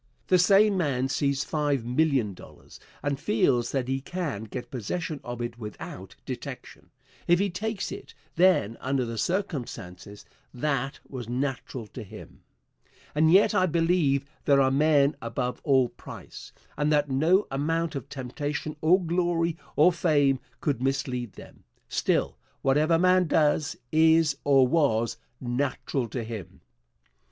The same man sees five million dollars, and feels that he can get possession of it without detection. If he takes it, then under the circumstances, that was natural to him. And yet I believe there are men above all price, and that no amount of temptation or glory or fame could mislead them. Still, whatever man does, is or was natural to him.